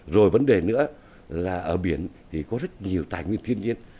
rồi vấn đề nữa là ở biển thì có rất nhiều tài nguyên thiên nhiên